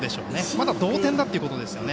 まだ同点だということです。